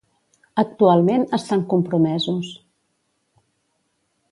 "Actualment, estan compromesos"